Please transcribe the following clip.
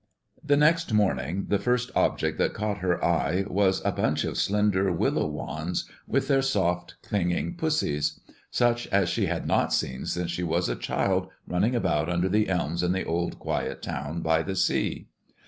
The next morning the first object that caught her eye was a bunch of slender willow wands, with their soft, clinging "pussies," such as she had not seen since she was a child running about under the elms in the old, quiet town by the sea.